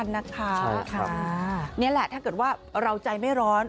นี่แหละถ้าเกิดว่าเราใจไม่ร้อน